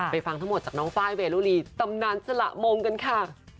ฟังทั้งหมดจากน้องไฟล์เวรุลีตำนานสละมงกันค่ะ